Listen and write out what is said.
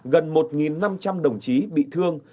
gần một năm trăm linh đồng chí bị thương